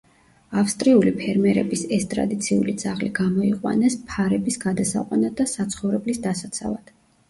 ავსტრიული ფერმერების ეს ტრადიციული ძაღლი გამოიყვანეს ფარების გადასაყვანად და საცხოვრებლის დასაცავად.